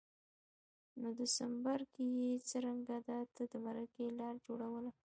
نو دسمبر کي یې څرنګه ده ته د مرکې لار جوړوله